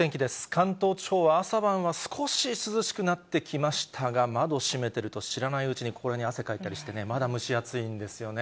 関東地方は、朝晩は少し涼しくなってきましたが、窓閉めていると知らないうちにここらへんに汗かいたりしてね、まだ蒸し暑いんですよね。